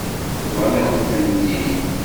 Bḍan-akent-tent-id.